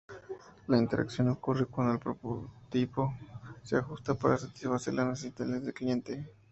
La interacción ocurre cuando el prototipo se ajusta para satisfacer las necesidades del cliente.